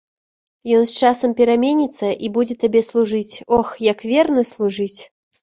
Ён з часам пераменіцца і будзе табе служыць, ох, як верна служыць!